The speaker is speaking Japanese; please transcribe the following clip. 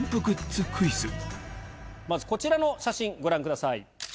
まずこちらの写真ご覧ください。